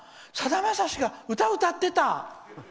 さだまさしが歌を歌ってた」！